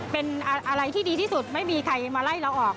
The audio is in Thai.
เป็นอะไรที่ดีที่สุดไม่มีใครมาไล่เราออก